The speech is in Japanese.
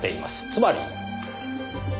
つまり。